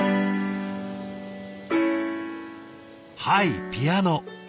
はいピアノ。